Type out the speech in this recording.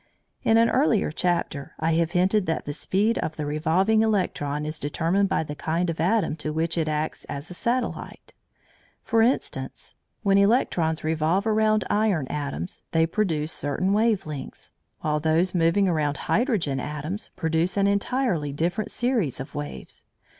In an earlier chapter I have hinted that the speed of the revolving electron is determined by the kind of atom to which it acts as a satellite. For instance, when electrons revolve around iron atoms they produce certain wave lengths, while those moving around hydrogen atoms produce an entirely different series of waves.